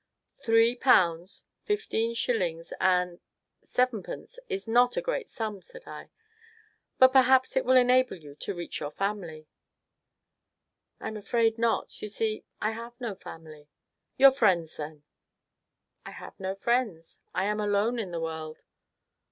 "Three pounds, fifteen shillings, and sevenpence is not a great sum," said I, "but perhaps it will enable you to reach your family." "I'm afraid not; you see I have no family." "Your friends, then." "I have no friends; I am alone in the world."